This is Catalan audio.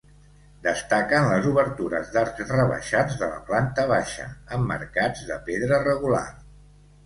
Destaquen les obertures d'arcs rebaixats de la planta baixa, emmarcats de pedra regular.